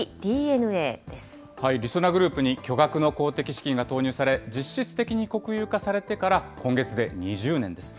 りそなグループに巨額の公的資金が投入され、実質的に国有化されてから今月で２０年です。